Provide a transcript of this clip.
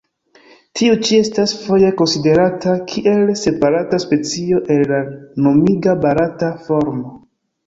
Tiu ĉi estas foje konsiderata kiel separata specio el la nomiga barata formo.